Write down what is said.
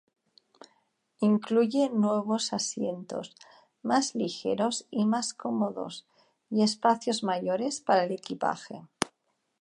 Incluye nuevos asientos, más ligeros y más cómodos y espacios mayores para el equipaje.